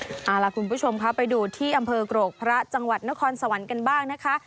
เอาล่ะคุณผู้ชมค่ะไปดูที่อำเภอกรกพระจังหวัดนครสวรรค์กันบ้างนะคะ